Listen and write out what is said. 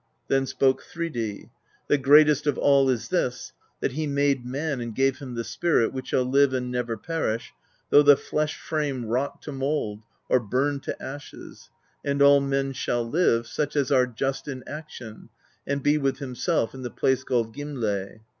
Then spake Thridi: "The greatest of all is this: that he made man, and gave him the spirit, which shall live and never perish, though the flesh frame rot to mould, or burn to ashes; and all men shall live, such as are just in action, and be with himself in the place called Gimle.